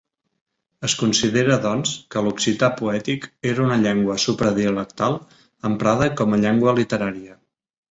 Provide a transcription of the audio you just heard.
Es considera, doncs, que l'occità poètic era una llengua supradialectal emprada com a llengua literària.